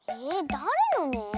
だれのめ？